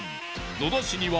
野田市には。